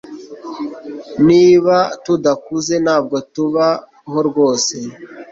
Niba tudakuze, ntabwo tubaho rwose. ”